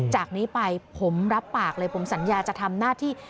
จากนี้ไปผมรับปากเลยผมสัญญาจะทำหน้าที่